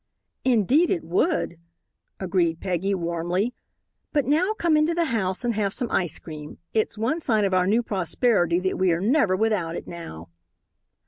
"Indeed it would," agreed Peggy, warmly; "but now come into the house and have some ice cream. It's one sign of our new prosperity that we are never without it now."